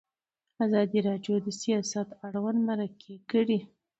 ازادي راډیو د سیاست اړوند مرکې کړي.